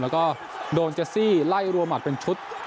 แล้วก็โดนเจสซี่ไล่รัวหมัดเป็นชุด